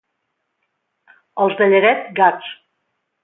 Els de Lleret, gats.